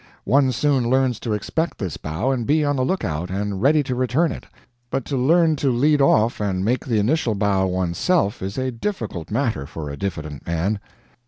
One soon learns to expect this bow and be on the lookout and ready to return it; but to learn to lead off and make the initial bow one's self is a difficult matter for a diffident man.